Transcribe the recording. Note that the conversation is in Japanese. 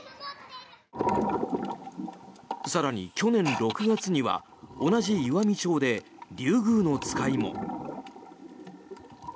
更に、去年６月には同じ岩美町でリュウグウノツカイも。